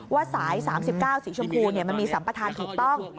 สาย๓๙สีชมพูมันมีสัมปทานถูกต้อง